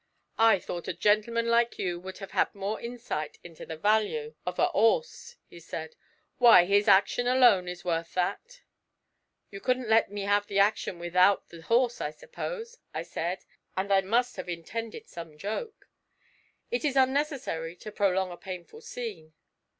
'I thought a gentleman like you would have had more insight into the value of a 'orse,' he said: 'why, his action alone is worth that, sir.' 'You couldn't let me have the action without the horse, I suppose?' I said, and I must have intended some joke. It is unnecessary to prolong a painful scene.